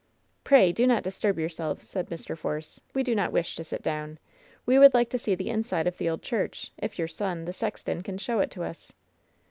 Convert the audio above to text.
"Pray do not disturb yourself," said Mr. Force. "We do not wish to sit down. We would like to see the in side of the old church, if your son, the sexton, can show it to us."